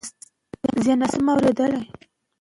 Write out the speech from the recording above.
ښځې باید د زدهکړې لپاره هڅه وکړي.